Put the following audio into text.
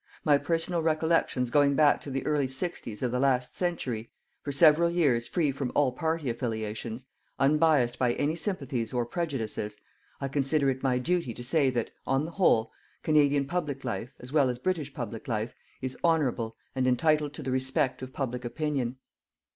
My personal recollections going back to the early sixties of the last century, for several years free from all party affiliations, unbiassed by any sympathies or prejudices, I consider it my duty to say that, on the whole, Canadian public life, as well as British public life, is honourable and entitled to the respect of public opinion.